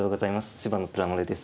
芝野虎丸です。